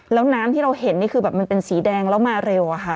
แล้วน้ำที่เราเห็นนี่คือแบบมันเป็นสีแดงแล้วมาเร็วอะค่ะ